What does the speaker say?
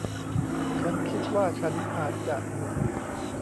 ฉันคิดว่าฉันอาจจะหยุด